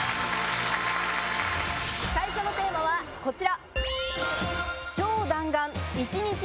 最初のテーマはこちら！